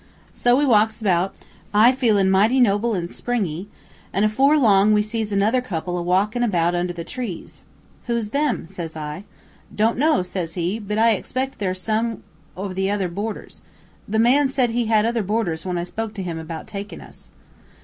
"So we walks about, I feelin' mighty noble an' springy, an' afore long we sees another couple a walkin' about under the trees. "'Who's them?' says I. "'Don't know,' says he, 'but I expect they're some o' the other boarders. The man said he had other boarders when I spoke to him about takin' us.'